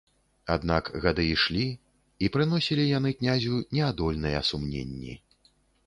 Аднак гады ішлі, і прыносілі яны князю неадольныя сумненні.